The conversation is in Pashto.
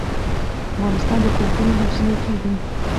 افغانستان د کلتور له مخې پېژندل کېږي.